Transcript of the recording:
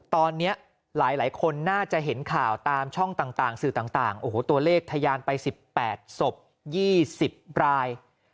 ตอนนี้หลายคนน่าจะเห็นข่าวตามช่องต่างสื่อต่างโอ้โหตัวเลขทะยานไป๑๘ศพ๒๐ราย